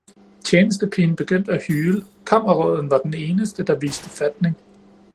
Tjenestepigen begyndte at hyle, kammerråden var den eneste, der viste fatning